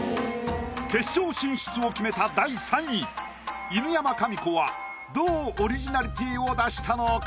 決勝進出を決めた第３位犬山紙子はどうオリジナリティーを出したのか？